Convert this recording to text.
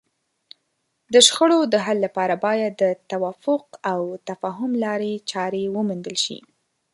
د شخړو د حل لپاره باید د توافق او تفاهم لارې چارې وموندل شي.